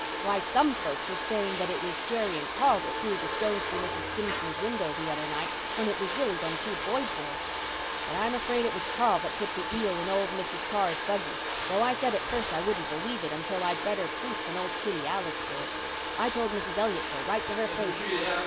Why, some folks are saying that it was Jerry and Carl that threw the stones through Mrs. Stimson's window the other night when it was really them two Boyd boys. But I'm afraid it was Carl that put the eel in old Mrs. Carr's buggy, though I said at first I wouldn't believe it until I'd better proof than old Kitty Alec's word. I told Mrs. Elliott so right to her face."